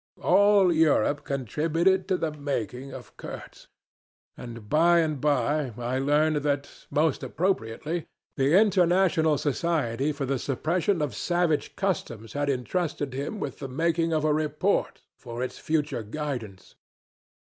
All Europe contributed to the making of Kurtz; and by and by I learned that, most appropriately, the International Society for the Suppression of Savage Customs had intrusted him with the making of a report, for its future guidance.